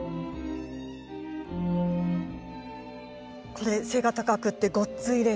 これ背が高くてごっついでしょ。